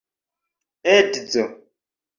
edzo